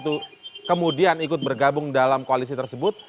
untuk kemudian ikut bergabung dalam koalisi tersebut